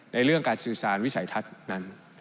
เรื่องการสื่อสารวิสัยทัศน์นั้น